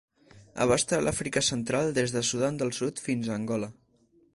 Abasta l'Àfrica central des de Sudan del Sud fins a Angola.